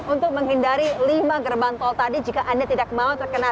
untuk menghindari lima gerbang tol tadi jika anda tidak mau terkena